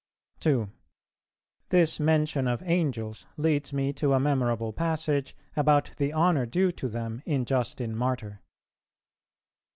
2. This mention of Angels leads me to a memorable passage about the honour due to them in Justin Martyr.